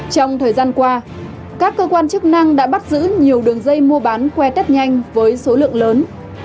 trong thời gian qua các cơ quan chức năng đã bắt giữ nhiều đường dây mua bán khoe tết nhanh với số lượng lớn